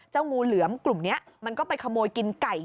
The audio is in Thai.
งูเหลือมกลุ่มนี้มันก็ไปขโมยกินไก่